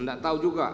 tidak tahu juga